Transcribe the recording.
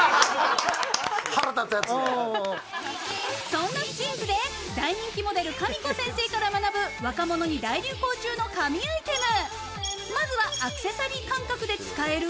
そんなＳＰＩＮＮＳで大人気モデルかみこ先生から学ぶ若者に人気大流行中の神アイテム。